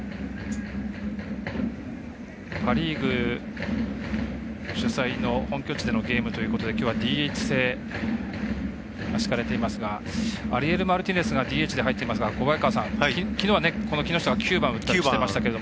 パ・リーグ主催の本拠地のゲームということできょうはＤＨ制しかれていますがアリエル・マルティネスがＤＨで入っていますがきのうは木下が９番を打ってたりしてましたが。